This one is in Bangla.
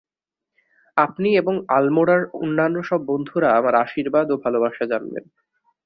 আপনি এবং আলমোড়ার অন্যান্য সব বন্ধুরা আমার আশীর্বাদ ও ভালবাসা জানবেন।